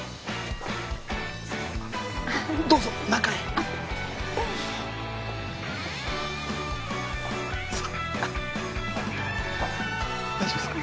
どうぞ中へ大丈夫ですか？